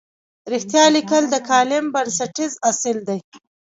رښتیا لیکل د کالم بنسټیز اصل دی.